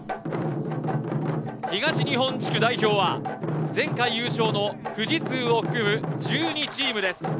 東日本地区代表は、前回優勝の富士通を含む１２チームです。